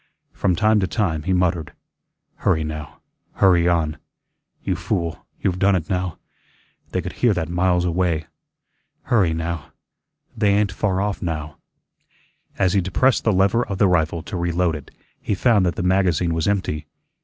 From time to time he muttered: "Hurry now; hurry on. You fool, you've done it now. They could hear that miles away. Hurry now. They ain't far off now." As he depressed the lever of the rifle to reload it, he found that the magazine was empty.